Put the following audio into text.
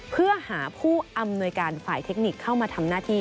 เพื่อหาผู้อำนวยการฝ่ายเทคนิคเข้ามาทำหน้าที่